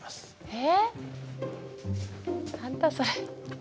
え。